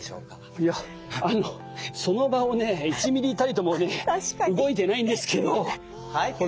いやあのその場をね１ミリたりとも動いてないんですけどこれ。